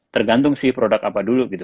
tergantung si produk apa dulu gitu